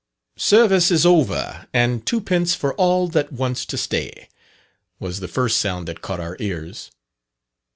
"Service is over, and two pence for all that wants to stay," was the first sound that caught our ears.